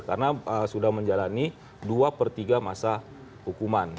karena sudah menjalani dua per tiga masa hukuman